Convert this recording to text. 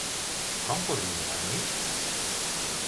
Com podria negar-m'hi?